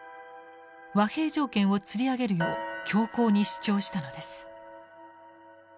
和平条件をつり上げるよう強硬に主張したのです。